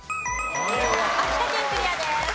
秋田県クリアです。